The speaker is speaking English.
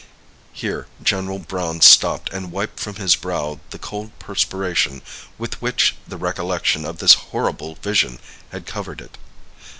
Here General Browne stopped and wiped from his brow the cold perspiration with which the recollection of this horrible vision had covered it.